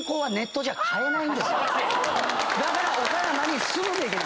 だから岡山に住むべき。